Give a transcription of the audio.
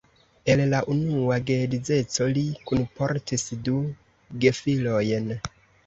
El la unua geedzeco li kunportis du gefilojn.